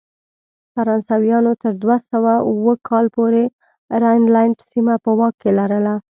فرانسویانو تر دوه سوه اووه کال پورې راینلنډ سیمه په واک کې لرله.